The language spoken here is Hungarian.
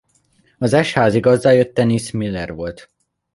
Az est házigazdája Dennis Miller volt.